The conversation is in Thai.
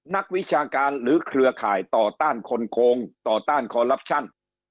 นักวิชาการหรือเครือข่ายต่อต้านคนโคงต่อต้านคอลลับชั่น